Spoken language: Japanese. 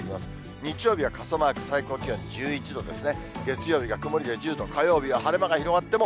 日曜日は傘マーク、最高気温１１度ですね。